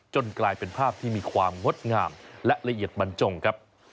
กลายเป็นภาพที่มีความงดงามและละเอียดบรรจงครับ